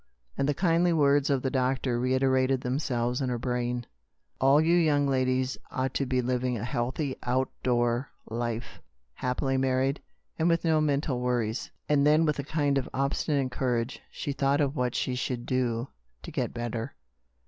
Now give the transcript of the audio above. And the kindly words of the doctor reiterated themselves in her brain: "All you young ladies ought to be living a healthy, out door life, happily married, and with no mental worries !" And then, with a kind of obsti nate courage, she thought of what she should do to get better.